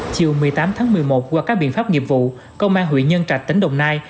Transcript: chiều một mươi tám tháng một mươi một qua các biện pháp nghiệp vụ công an huyện nhân trạch tỉnh đồng nai